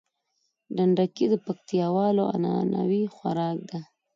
ډنډکی د پکتياوالو عنعنوي خوارک ده